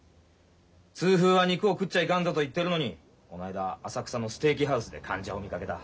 痛風は肉を食っちゃいかんぞと言ってるのにこの間浅草のステーキハウスで患者を見かけた。